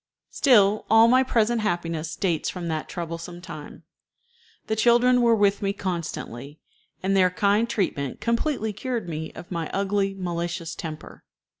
Still, all my present happiness dates from that troublesome time. The children were with me constantly, and their kind treatment completely cured me of my ugly, malicious temper.